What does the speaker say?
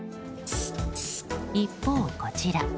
一方、こちら。